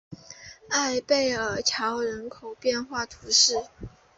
埃贝尔桥人口变化图示